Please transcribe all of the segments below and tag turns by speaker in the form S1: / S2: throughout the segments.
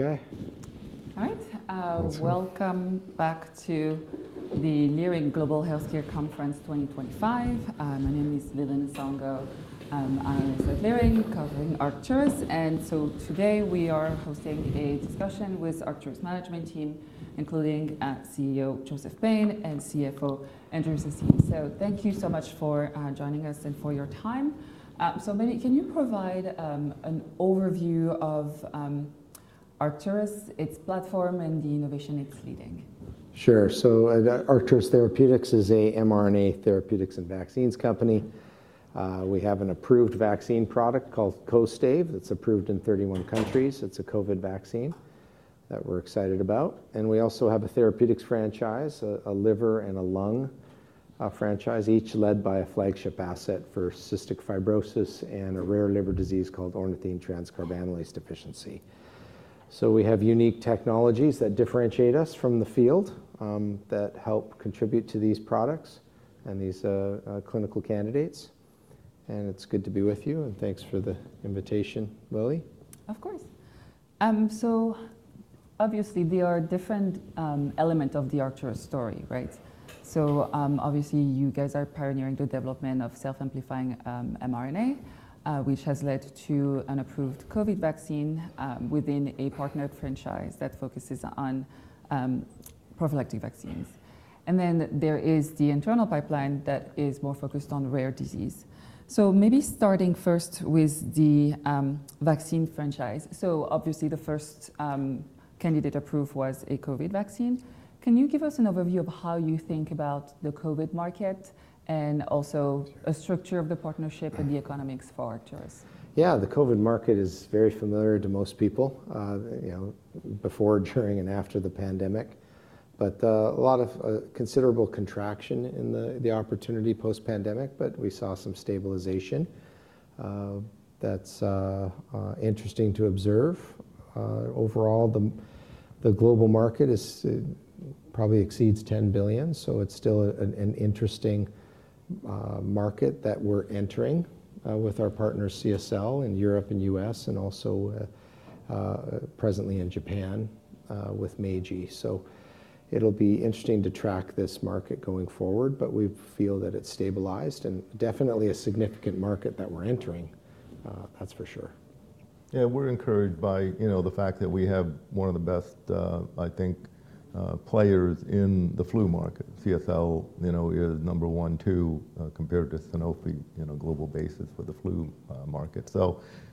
S1: All right. Welcome back to the Leerink Global Healthcare Conference 2025. My name is Lili Nsongo. I'm an analyst at Leerink covering Arcturus. Today we are hosting a discussion with Arcturus' management team, including CEO Joseph Payne and CFO Andrew Sassine. Thank you so much for joining us and for your time. Can you provide an overview of Arcturus, its platform, and the innovation it's leading?
S2: Sure. Arcturus Therapeutics is an mRNA therapeutics and vaccines company. We have an approved vaccine product called KOSTAIVE. It is approved in 31 countries. It is a COVID vaccine that we are excited about. We also have a therapeutics franchise, a liver and a lung franchise, each led by a flagship asset for cystic fibrosis and a rare liver disease called ornithine transcarbamylase deficiency. We have unique technologies that differentiate us from the field that help contribute to these products and these clinical candidates. It is good to be with you. Thanks for the invitation, Lili.
S1: Of course. Obviously, there are different elements of the Arcturus story, right? Obviously, you guys are pioneering the development of self-amplifying mRNA, which has led to an approved COVID vaccine within a partnered franchise that focuses on prophylactic vaccines. There is the internal pipeline that is more focused on rare disease. Maybe starting first with the vaccine franchise. Obviously, the first candidate approved was a COVID vaccine. Can you give us an overview of how you think about the COVID market and also a structure of the partnership and the economics for Arcturus?
S2: Yeah, the COVID market is very familiar to most people before, during, and after the pandemic. A lot of considerable contraction in the opportunity post-pandemic, but we saw some stabilization. That's interesting to observe. Overall, the global market probably exceeds $10 billion. It's still an interesting market that we're entering with our partner CSL in Europe and the U.S., and also presently in Japan with Meiji. It'll be interesting to track this market going forward, but we feel that it's stabilized and definitely a significant market that we're entering. That's for sure.
S3: Yeah, we're encouraged by the fact that we have one of the best, I think, players in the flu market. CSL is number one, two compared to Sanofi global basis for the flu market.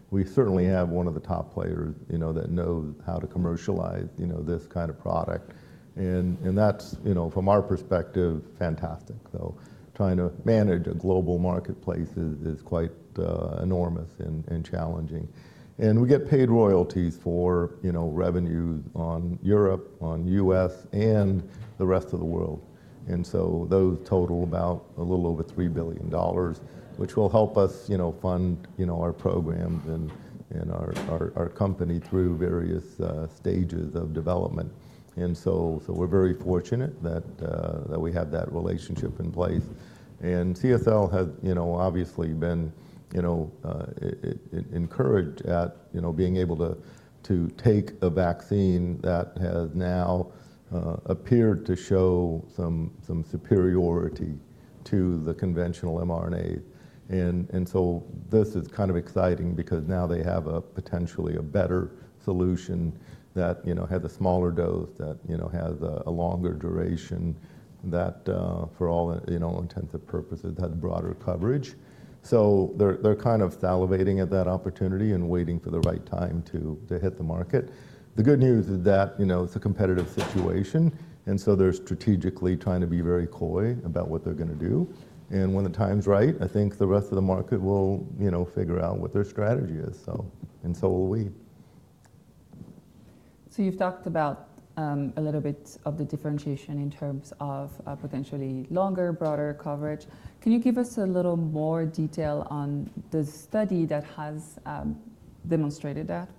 S3: We certainly have one of the top players that know how to commercialize this kind of product. That's, from our perspective, fantastic. Trying to manage a global marketplace is quite enormous and challenging. We get paid royalties for revenue on Europe, on the U.S., and the Rest of the World. Those total about a little over $3 billion, which will help us fund our programs and our company through various stages of development. We're very fortunate that we have that relationship in place. CSL has obviously been encouraged at being able to take a vaccine that has now appeared to show some superiority to the conventional mRNA. This is kind of exciting because now they have potentially a better solution that has a smaller dose, that has a longer duration, that for all intents and purposes has broader coverage. They are kind of salivating at that opportunity and waiting for the right time to hit the market. The good news is that it is a competitive situation. They are strategically trying to be very coy about what they are going to do. When the time is right, I think the rest of the market will figure out what their strategy is. So will we.
S1: You've talked about a little bit of the differentiation in terms of potentially longer, broader coverage. Can you give us a little more detail on the study that has demonstrated that?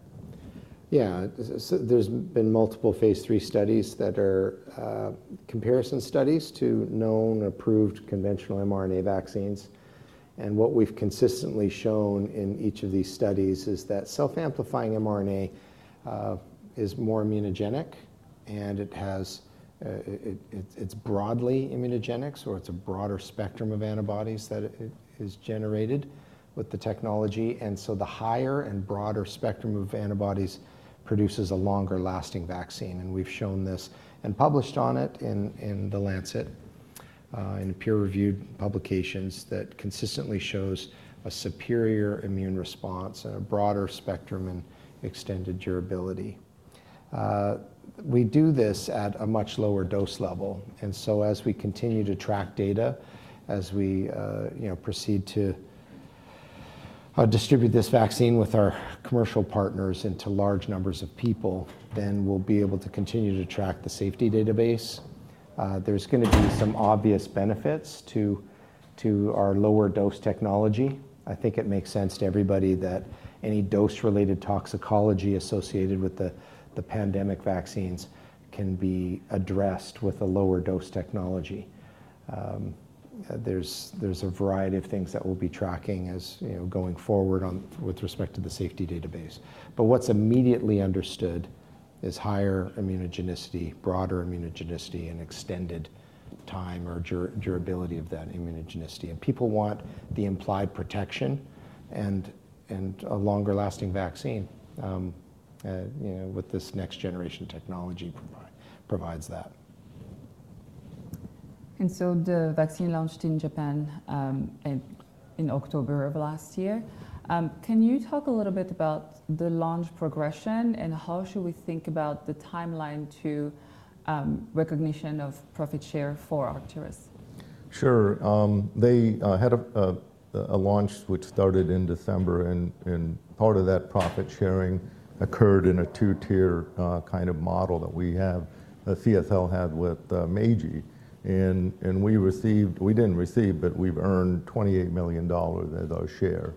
S2: Yeah, there's been multiple phase III studies that are comparison studies to known approved conventional mRNA vaccines. What we've consistently shown in each of these studies is that self-amplifying mRNA is more immunogenic, and it's broadly immunogenic, so it's a broader spectrum of antibodies that is generated with the technology. The higher and broader spectrum of antibodies produces a longer lasting vaccine. We've shown this and published on it in The Lancet in peer-reviewed publications that consistently shows a superior immune response and a broader spectrum and extended durability. We do this at a much lower dose level. As we continue to track data, as we proceed to distribute this vaccine with our commercial partners into large numbers of people, we will be able to continue to track the safety database. There's going to be some obvious benefits to our lower dose technology. I think it makes sense to everybody that any dose-related toxicology associated with the pandemic vaccines can be addressed with a lower dose technology. There's a variety of things that we'll be tracking going forward with respect to the safety database. What is immediately understood is higher immunogenicity, broader immunogenicity, and extended time or durability of that immunogenicity. People want the implied protection and a longer lasting vaccine with this next-generation technology that provides that.
S1: The vaccine launched in Japan in October of last year. Can you talk a little bit about the launch progression and how should we think about the timeline to recognition of profit share for Arcturus?
S3: Sure. They had a launch which started in December. Part of that profit sharing occurred in a two-tier kind of model that we have, CSL had with Meiji. We did not receive, but we have earned $28 million as our share.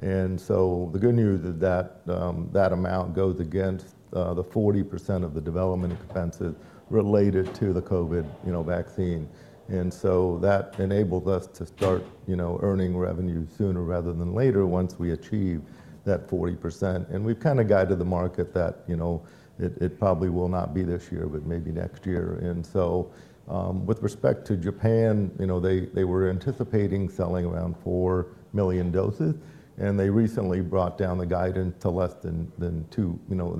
S3: The good news is that that amount goes against the 40% of the development expenses related to the COVID vaccine. That enables us to start earning revenue sooner rather than later once we achieve that 40%. We have kind of guided the market that it probably will not be this year, but maybe next year. With respect to Japan, they were anticipating selling around 4 million doses. They recently brought down the guidance to less than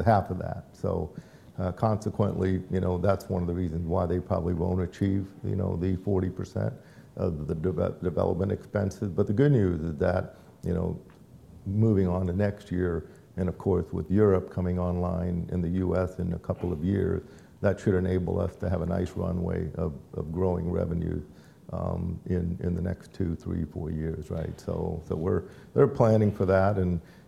S3: half of that. Consequently, that is one of the reasons why they probably will not achieve the 40% of the development expenses. The good news is that moving on to next year, and of course, with Europe coming online in the U.S. in a couple of years, that should enable us to have a nice runway of growing revenue in the next two, three, four years, right? They are planning for that.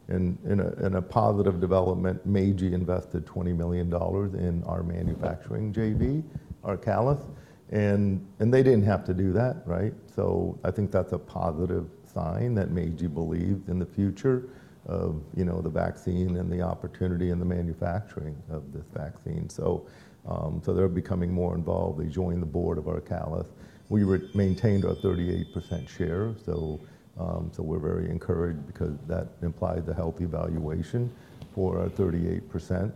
S3: In a positive development, Meiji invested $20 million in our manufacturing JV, ARCALIS. They did not have to do that, right? I think that is a positive sign that Meiji believes in the future of the vaccine and the opportunity and the manufacturing of this vaccine. They are becoming more involved. They joined the board of ARCALIS. We maintained our 38% share. We are very encouraged because that implies a healthy valuation for our 38%.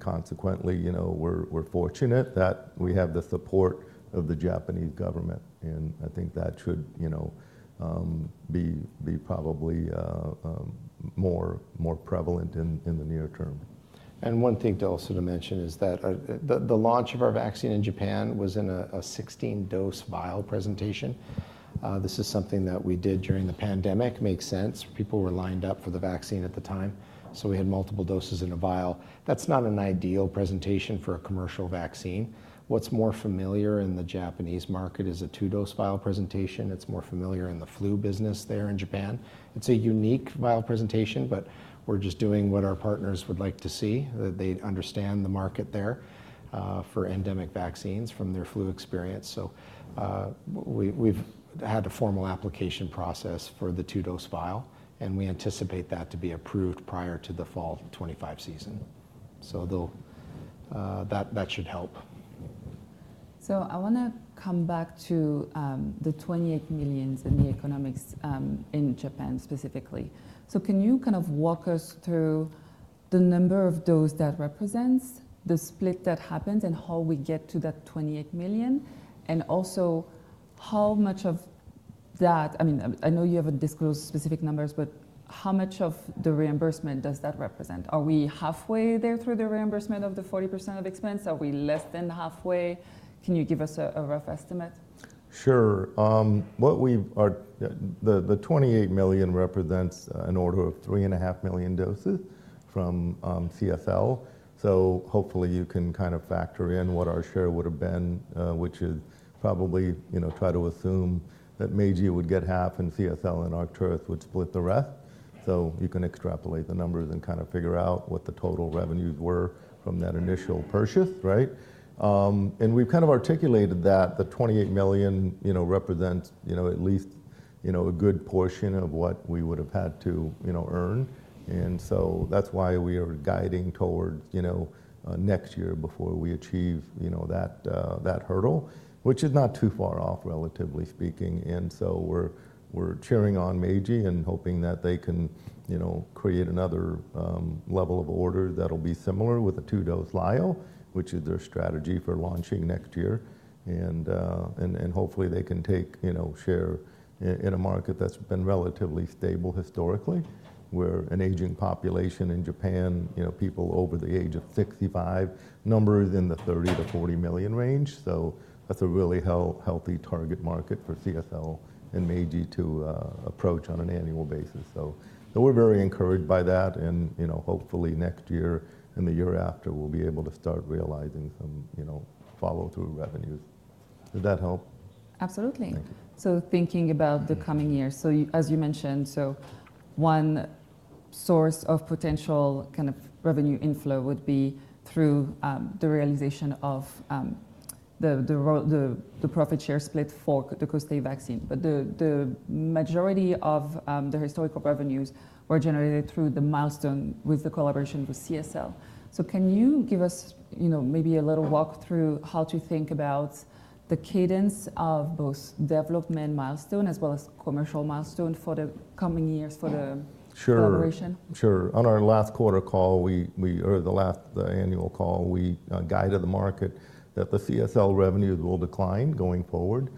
S3: Consequently, we are fortunate that we have the support of the Japanese government. I think that should be probably more prevalent in the near term.
S2: One thing also to mention is that the launch of our vaccine in Japan was in a 16-dose vial presentation. This is something that we did during the pandemic. Makes sense. People were lined up for the vaccine at the time. We had multiple doses in a vial. That is not an ideal presentation for a commercial vaccine. What is more familiar in the Japanese market is a two-dose vial presentation. It is more familiar in the flu business there in Japan. It is a unique vial presentation, but we are just doing what our partners would like to see, that they understand the market there for endemic vaccines from their flu experience. We have had a formal application process for the two-dose vial. We anticipate that to be approved prior to the fall 2025 season. That should help.
S1: I want to come back to the $28 million in the economics in Japan specifically. Can you kind of walk us through the number of doses that represents, the split that happens, and how we get to that $28 million? Also, how much of that, I mean, I know you have not disclosed specific numbers, but how much of the reimbursement does that represent? Are we halfway there through the reimbursement of the 40% of expense? Are we less than halfway? Can you give us a rough estimate?
S3: Sure. The $28 million represents an order of 3.5 million doses from CSL. Hopefully you can kind of factor in what our share would have been, which is probably try to assume that Meiji would get half and CSL and Arcturus would split the rest. You can extrapolate the numbers and kind of figure out what the total revenues were from that initial purchase, right? We have kind of articulated that the $28 million represents at least a good portion of what we would have had to earn. That is why we are guiding towards next year before we achieve that hurdle, which is not too far off, relatively speaking. We are cheering on Meiji and hoping that they can create another level of order that will be similar with a two-dose vial, which is their strategy for launching next year. Hopefully they can take share in a market that has been relatively stable historically, where an aging population in Japan, people over the age of 65, numbers in the 30-40 million range. That is a really healthy target market for CSL and Meiji to approach on an annual basis. We are very encouraged by that. Hopefully next year and the year after, we will be able to start realizing some follow-through revenues. Did that help?
S1: Absolutely. Thinking about the coming year, as you mentioned, one source of potential kind of revenue inflow would be through the realization of the profit share split for the KOSTAIVE vaccine. The majority of the historical revenues were generated through the milestone with the collaboration with CSL. Can you give us maybe a little walk through how to think about the cadence of both development milestone as well as commercial milestone for the coming years for the collaboration?
S3: Sure. On our last quarter call, or the last annual call, we guided the market that the CSL revenues will decline going forward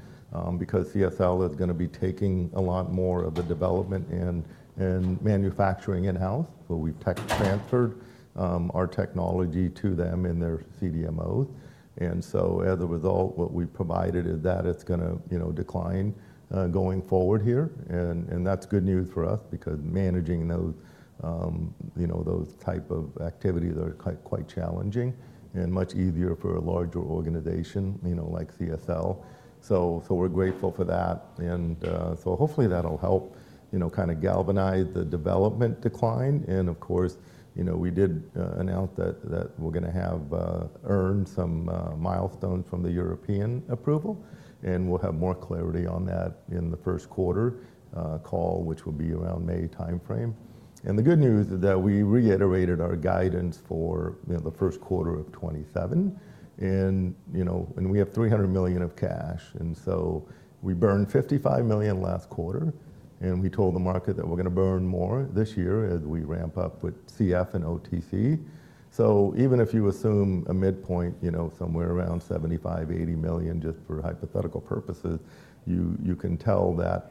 S3: because CSL is going to be taking a lot more of the development and manufacturing in-house. We have transferred our technology to them in their CDMOs. As a result, what we have provided is that it is going to decline going forward here. That is good news for us because managing those type of activities are quite challenging and much easier for a larger organization like CSL. We are grateful for that. Hopefully that will help kind of galvanize the development decline. Of course, we did announce that we are going to have earned some milestones from the European approval. We will have more clarity on that in the first quarter call, which will be around May timeframe. The good news is that we reiterated our guidance for the first quarter of 2027. We have $300 million of cash. We burned $55 million last quarter. We told the market that we're going to burn more this year as we ramp up with CF and OTC. Even if you assume a midpoint somewhere around $75 million-$80 million just for hypothetical purposes, you can tell that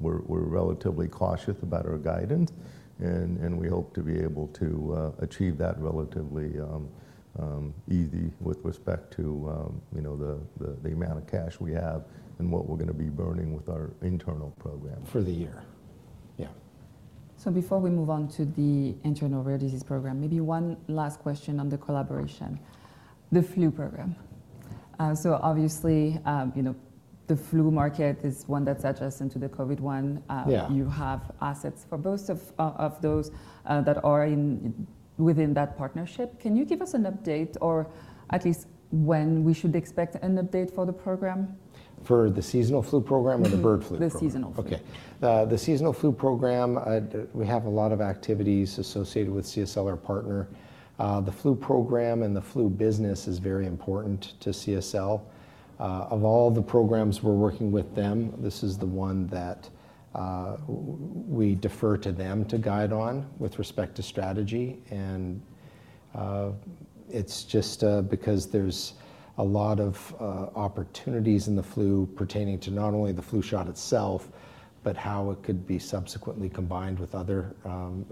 S3: we're relatively cautious about our guidance. We hope to be able to achieve that relatively easy with respect to the amount of cash we have and what we're going to be burning with our internal program.
S2: For the year.
S3: Yeah.
S1: Before we move on to the internal rare disease program, maybe one last question on the collaboration, the flu program. Obviously, the flu market is one that's adjacent to the COVID one. You have assets for both of those that are within that partnership. Can you give us an update or at least when we should expect an update for the program?
S2: For the seasonal flu program or the bird flu program?
S1: The seasonal flu.
S2: Okay. The seasonal flu program, we have a lot of activities associated with CSL, our partner. The flu program and the flu business is very important to CSL. Of all the programs we're working with them, this is the one that we defer to them to guide on with respect to strategy. It is just because there's a lot of opportunities in the flu pertaining to not only the flu shot itself, but how it could be subsequently combined with other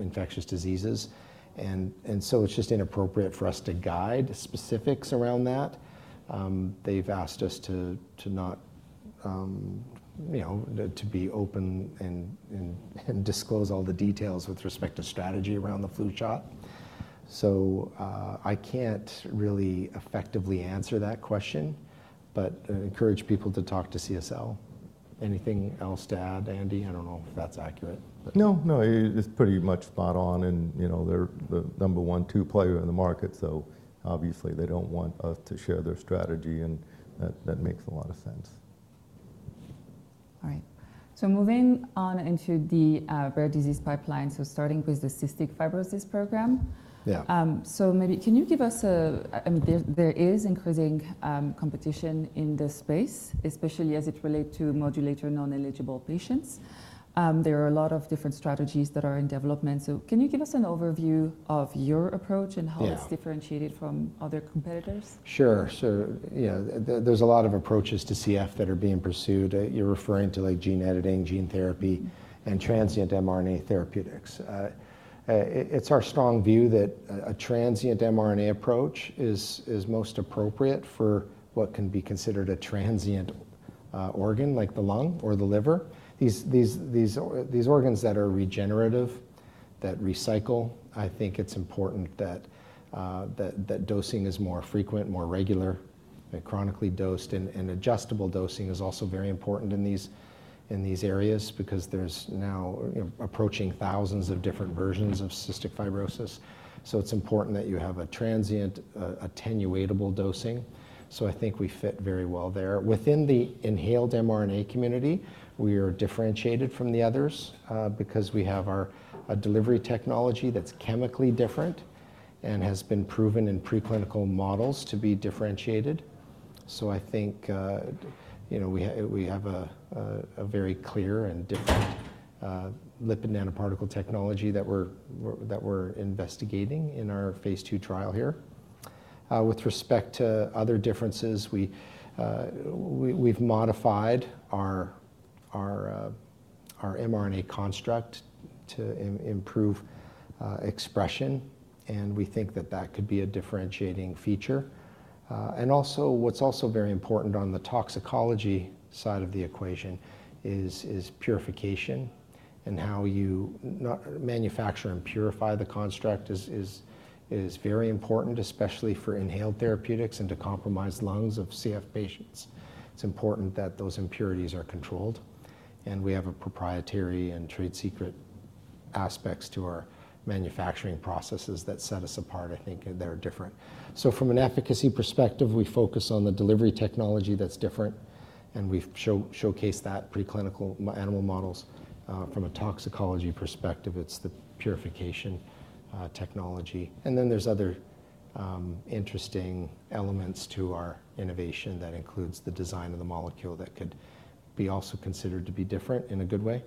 S2: infectious diseases. It is just inappropriate for us to guide specifics around that. They've asked us to not be open and disclose all the details with respect to strategy around the flu shot. I can't really effectively answer that question, but encourage people to talk to CSL. Anything else to add, Andy? I don't know if that's accurate.
S3: No, no. It's pretty much spot on. They're the number one two player in the market. Obviously, they don't want us to share their strategy. That makes a lot of sense.
S1: All right. Moving on into the rare disease pipeline. Starting with the cystic fibrosis program. Maybe can you give us a, I mean, there is increasing competition in this space, especially as it relates to modulator non-eligible patients. There are a lot of different strategies that are in development. Can you give us an overview of your approach and how it's differentiated from other competitors?
S2: Sure. There is a lot of approaches to CF that are being pursued. You're referring to like gene editing, gene therapy, and transient mRNA therapeutics. It's our strong view that a transient mRNA approach is most appropriate for what can be considered a transient organ like the lung or the liver. These organs that are regenerative, that recycle, I think it's important that dosing is more frequent, more regular, chronically dosed. Adjustable dosing is also very important in these areas because there is now approaching thousands of different versions of cystic fibrosis. It is important that you have a transient, attenuable dosing. I think we fit very well there. Within the inhaled mRNA community, we are differentiated from the others because we have our delivery technology that's chemically different and has been proven in preclinical models to be differentiated. I think we have a very clear and different lipid nanoparticle technology that we're investigating in our phase II trial here. With respect to other differences, we've modified our mRNA construct to improve expression. We think that that could be a differentiating feature. Also, what's also very important on the toxicology side of the equation is purification and how you manufacture and purify the construct is very important, especially for inhaled therapeutics and to compromise lungs of CF patients. It's important that those impurities are controlled. We have a proprietary and trade secret aspects to our manufacturing processes that set us apart. I think they're different. From an efficacy perspective, we focus on the delivery technology that's different. We've showcased that in preclinical animal models. From a toxicology perspective, it's the purification technology. There are other interesting elements to our innovation that include the design of the molecule that could also be considered to be different in a good way.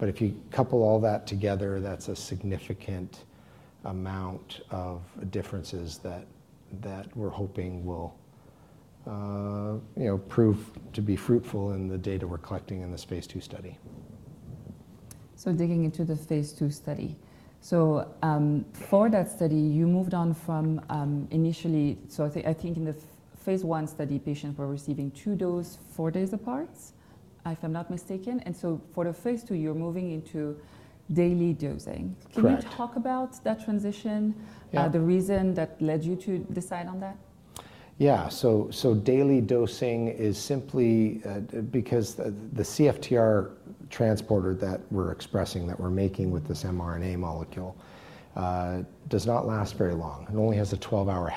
S2: If you couple all that together, that is a significant amount of differences that we are hoping will prove to be fruitful in the data we are collecting in the phase II study.
S1: Digging into the phase II study. For that study, you moved on from initially, I think in the phase I study, patients were receiving two doses four days apart, if I'm not mistaken. For the phase II, you're moving into daily dosing. Can you talk about that transition, the reason that led you to decide on that?
S2: Yeah. Daily dosing is simply because the CFTR transporter that we're expressing, that we're making with this mRNA molecule does not last very long. It only has a 12-hour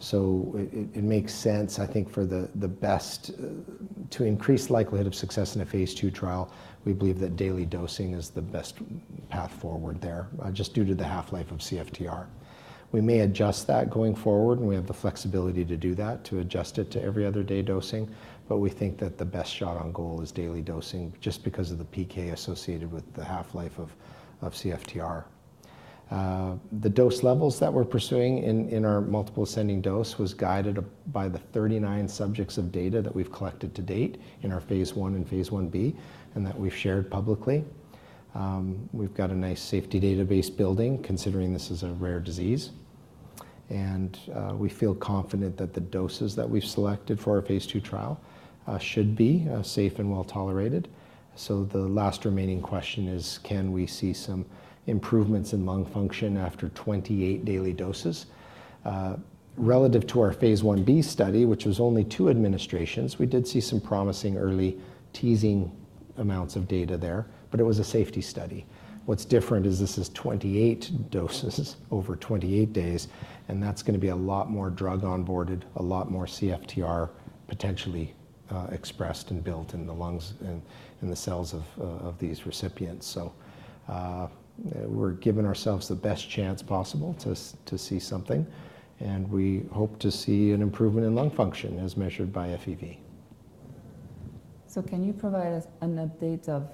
S2: half-life. It makes sense, I think, for the best to increase the likelihood of success in a phase II trial. We believe that daily dosing is the best path forward there just due to the half-life of CFTR. We may adjust that going forward. We have the flexibility to do that, to adjust it to every other day dosing. We think that the best shot on goal is daily dosing just because of the PK associated with the half-life of CFTR. The dose levels that we're pursuing in our multiple ascending dose was guided by the 39 subjects of data that we've collected to date in our phase I and phase I-B and that we've shared publicly. We've got a nice safety database building considering this is a rare disease. We feel confident that the doses that we've selected for our phase II trial should be safe and well tolerated. The last remaining question is, can we see some improvements in lung function after 28 daily doses? Relative to our phase I-B study, which was only two administrations, we did see some promising early teasing amounts of data there, but it was a safety study. What's different is this is 28 doses over 28 days. That is going to be a lot more drug onboarded, a lot more CFTR potentially expressed and built in the lungs and the cells of these recipients. We are giving ourselves the best chance possible to see something. We hope to see an improvement in lung function as measured by FEV.
S1: Can you provide an update of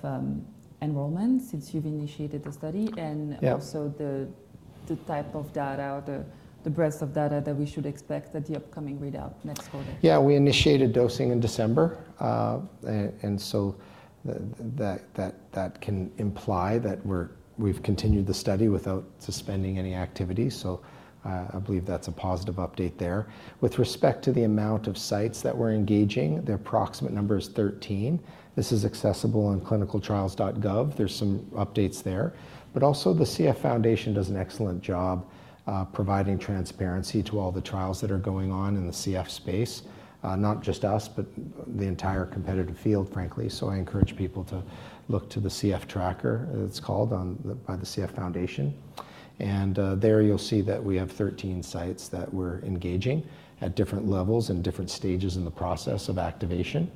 S1: enrollment since you've initiated the study and also the type of data or the breadth of data that we should expect at the upcoming readout next quarter?
S2: Yeah. We initiated dosing in December. That can imply that we've continued the study without suspending any activity. I believe that's a positive update there. With respect to the amount of sites that we're engaging, the approximate number is 13. This is accessible on clinicaltrials.gov. There are some updates there. The CF Foundation does an excellent job providing transparency to all the trials that are going on in the CF space, not just us, but the entire competitive field, frankly. I encourage people to look to the CF Tracker, it's called by the CF Foundation. There you'll see that we have 13 sites that we're engaging at different levels and different stages in the process of activation.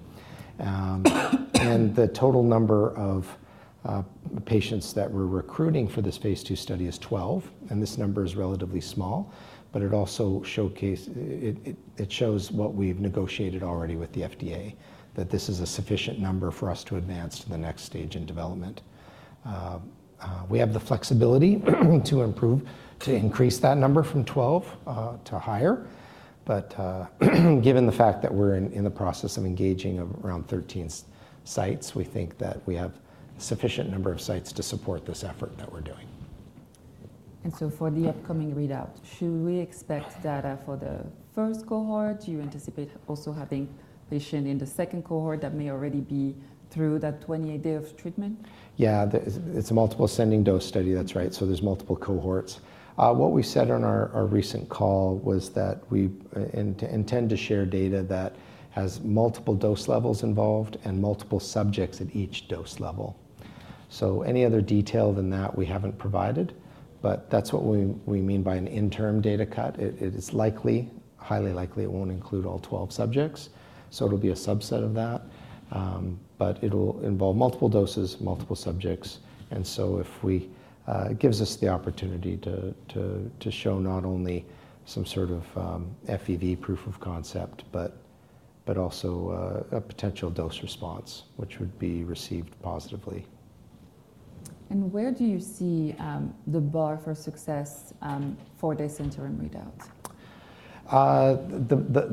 S2: The total number of patients that we're recruiting for this phase II study is 12. This number is relatively small, but it also showcases, it shows what we've negotiated already with the FDA, that this is a sufficient number for us to advance to the next stage in development. We have the flexibility to improve, to increase that number from 12 to higher. Given the fact that we're in the process of engaging around 13 sites, we think that we have a sufficient number of sites to support this effort that we're doing.
S1: For the upcoming readout, should we expect data for the first cohort? Do you anticipate also having patients in the second cohort that may already be through that 28-day of treatment?
S2: Yeah. It's a multiple ascending dose study. That's right. There are multiple cohorts. What we said on our recent call was that we intend to share data that has multiple dose levels involved and multiple subjects at each dose level. Any other detail than that, we haven't provided. That's what we mean by an interim data cut. It is likely, highly likely it won't include all 12 subjects. It'll be a subset of that. It'll involve multiple doses, multiple subjects. It gives us the opportunity to show not only some sort of FEV proof of concept, but also a potential dose response, which would be received positively.
S1: Where do you see the bar for success for this interim readout?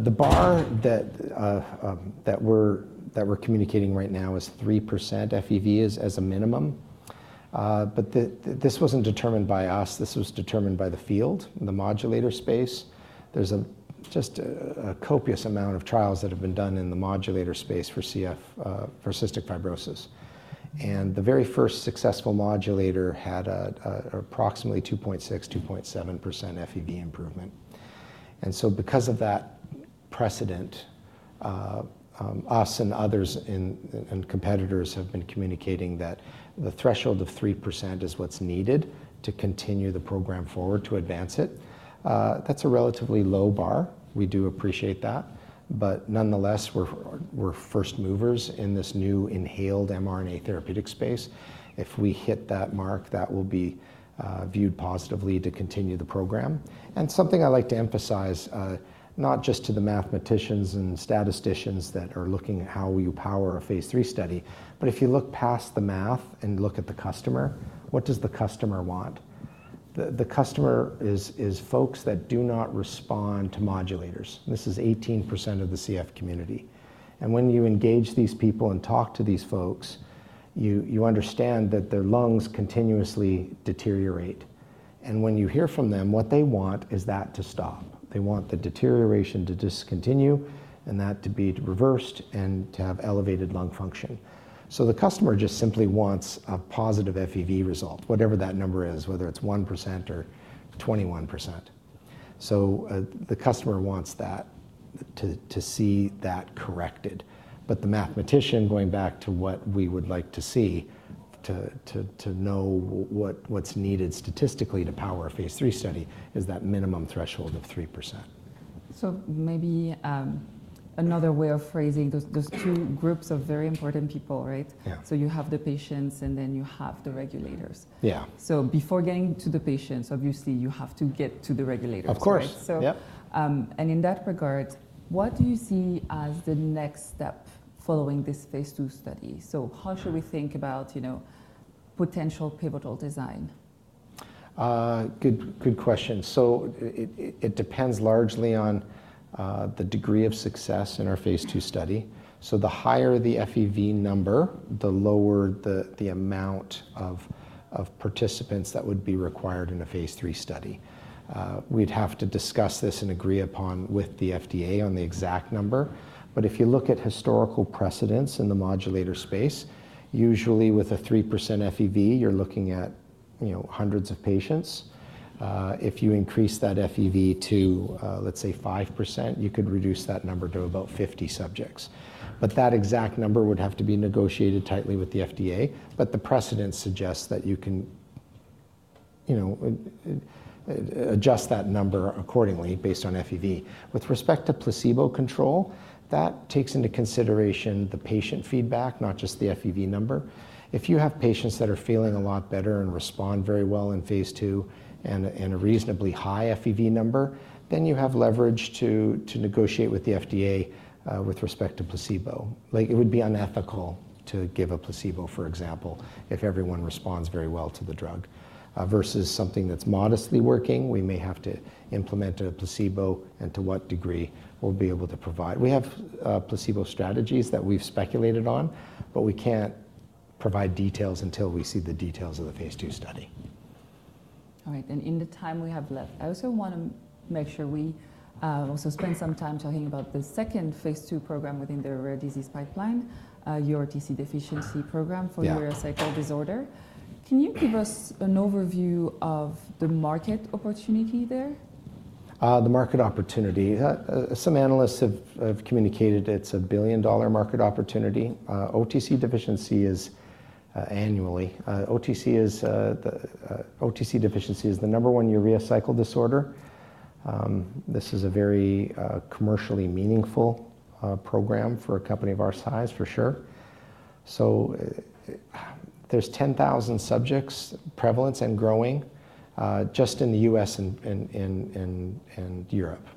S2: The bar that we're communicating right now is 3% FEV as a minimum. This wasn't determined by us. This was determined by the field, the modulator space. There's just a copious amount of trials that have been done in the modulator space for cystic fibrosis. The very first successful modulator had approximately 2.6%, 2.7% FEV improvement. Because of that precedent, us and others and competitors have been communicating that the threshold of 3% is what's needed to continue the program forward, to advance it. That's a relatively low bar. We do appreciate that. Nonetheless, we're first movers in this new inhaled mRNA therapeutic space. If we hit that mark, that will be viewed positively to continue the program. Something I'd like to emphasize, not just to the mathematicians and statisticians that are looking at how we power a phase III study, but if you look past the math and look at the customer, what does the customer want? The customer is folks that do not respond to modulators. This is 18% of the CF community. When you engage these people and talk to these folks, you understand that their lungs continuously deteriorate. When you hear from them, what they want is that to stop. They want the deterioration to discontinue and that to be reversed and to have elevated lung function. The customer just simply wants a positive FEV result, whatever that number is, whether it's 1% or 21%. The customer wants that to see that corrected. The mathematician, going back to what we would like to see to know what's needed statistically to power a phase III study, is that minimum threshold of 3%.
S1: Maybe another way of phrasing those two groups of very important people, right? You have the patients and then you have the regulators.
S2: Yeah.
S1: Before getting to the patients, obviously, you have to get to the regulators, right?
S2: Of course. Yeah.
S1: In that regard, what do you see as the next step following this phase II study? How should we think about potential pivotal design?
S2: Good question. It depends largely on the degree of success in our phase II study. The higher the FEV number, the lower the amount of participants that would be required in a phase III study. We'd have to discuss this and agree upon with the FDA on the exact number. If you look at historical precedents in the modulator space, usually with a 3% FEV, you're looking at hundreds of patients. If you increase that FEV to, let's say, 5%, you could reduce that number to about 50 subjects. That exact number would have to be negotiated tightly with the FDA. The precedent suggests that you can adjust that number accordingly based on FEV. With respect to placebo control, that takes into consideration the patient feedback, not just the FEV number. If you have patients that are feeling a lot better and respond very well in phase II and a reasonably high FEV number, then you have leverage to negotiate with the FDA with respect to placebo. It would be unethical to give a placebo, for example, if everyone responds very well to the drug. Versus something that's modestly working, we may have to implement a placebo and to what degree we'll be able to provide. We have placebo strategies that we've speculated on, but we can't provide details until we see the details of the phase II study.
S1: All right. In the time we have left, I also want to make sure we also spend some time talking about the second phase II program within the rare disease pipeline, your OTC deficiency program for urea cycle disorder. Can you give us an overview of the market opportunity there?
S2: The market opportunity. Some analysts have communicated it's a billion-dollar market opportunity. OTC deficiency is annually. OTC deficiency is the number one urea cycle disorder. This is a very commercially meaningful program for a company of our size, for sure. There are 10,000 subjects, prevalence and growing, just in the U.S. and Europe.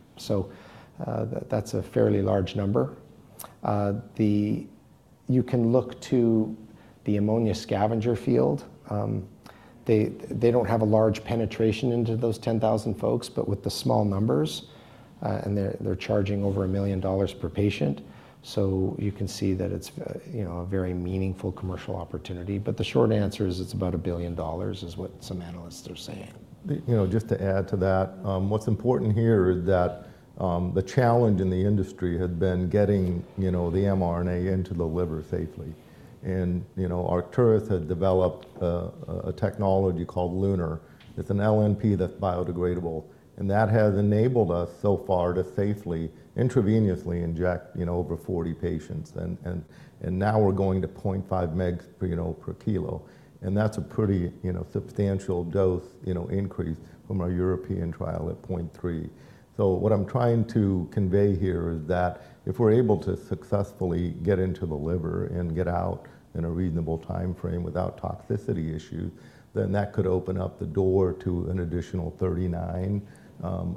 S2: That is a fairly large number. You can look to the ammonia scavenger field. They do not have a large penetration into those 10,000 folks, but with the small numbers, and they are charging over $1 million per patient. You can see that it is a very meaningful commercial opportunity. The short answer is it is about a billion dollars, is what some analysts are saying.
S3: Just to add to that, what's important here is that the challenge in the industry has been getting the mRNA into the liver safely. Arcturus had developed a technology called LUNAR. It's an LNP that's biodegradable. That has enabled us so far to safely, intravenously inject over 40 patients. Now we're going to 0.5 mg/kg. That's a pretty substantial dose increase from our European trial at 0.3 mg/kg. What I'm trying to convey here is that if we're able to successfully get into the liver and get out in a reasonable time frame without toxicity issues, that could open up the door to an additional 39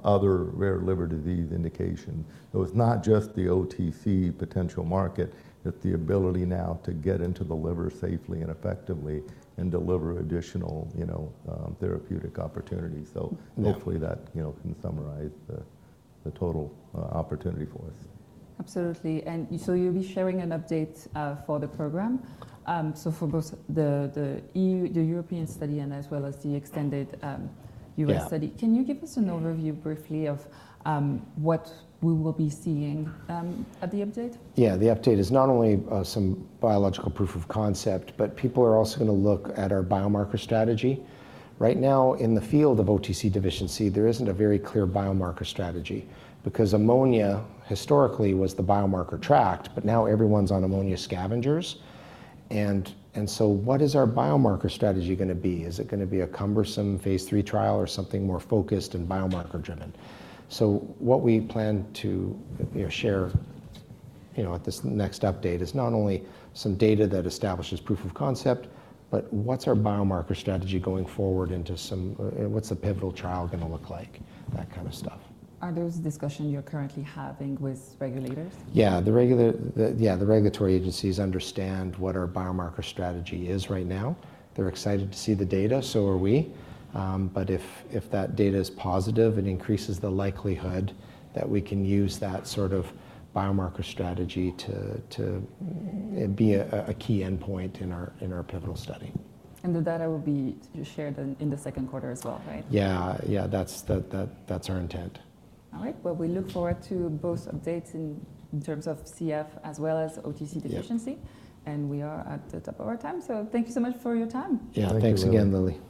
S3: other rare liver disease indications. It's not just the OTC potential market. It's the ability now to get into the liver safely and effectively and deliver additional therapeutic opportunities. Hopefully that can summarize the total opportunity for us.
S1: Absolutely. You will be sharing an update for the program. For both the European study and the extended U.S. study, can you give us an overview briefly of what we will be seeing at the update?
S2: Yeah. The update is not only some biological proof of concept, but people are also going to look at our biomarker strategy. Right now, in the field of OTC deficiency, there is not a very clear biomarker strategy because ammonia historically was the biomarker tracked, but now everyone's on ammonia scavengers. What is our biomarker strategy going to be? Is it going to be a cumbersome phase III trial or something more focused and biomarker-driven? What we plan to share at this next update is not only some data that establishes proof of concept, but what is our biomarker strategy going forward into some what is the pivotal trial going to look like, that kind of stuff.
S1: Are those discussions you're currently having with regulators?
S2: Yeah. Yeah. The regulatory agencies understand what our biomarker strategy is right now. They're excited to see the data. So are we. If that data is positive, it increases the likelihood that we can use that sort of biomarker strategy to be a key endpoint in our pivotal study.
S1: The data will be shared in the second quarter as well, right?
S2: Yeah. Yeah. That's our intent.
S1: All right. We look forward to both updates in terms of CF as well as OTC deficiency. We are at the top of our time. Thank you so much for your time.
S2: Yeah. Thanks again, Lili.